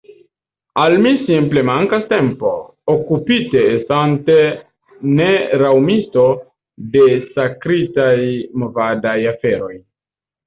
Al mi simple mankas tempo, okupite, estante neraŭmisto, de sakritaj movadaj aferoj.